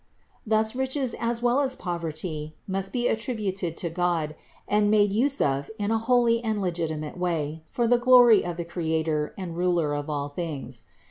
Thus riches as well as poverty must be attributed to God and made use of in a holy and legitimate way for the glory of the Creator and Ruler of all things.